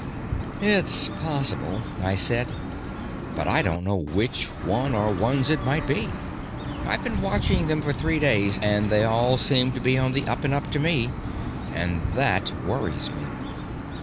"It's possible," I said, "but I don't know which one or ones it might be. I've been watching them for three days, and they all seem on the up and up to me. And that worries me."